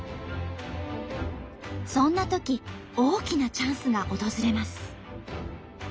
そんなとき大きなチャンスが訪れます。